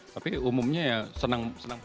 tapi umumnya ya senang